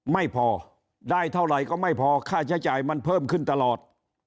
ไม่พอได้เท่าไหร่ก็ไม่พอค่าใช้จ่ายมันเพิ่มขึ้นตลอด